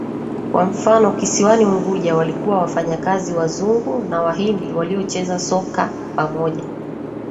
Kwa mfano kisiwani Unguja walikuwa wafanyakazi Wazungu na Wahindi waliocheza soka pamoja